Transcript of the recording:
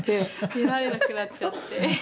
「出られなくなっちゃって」